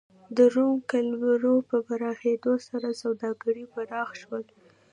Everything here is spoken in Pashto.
د روم قلمرو په پراخېدو سره سوداګري پراخ شول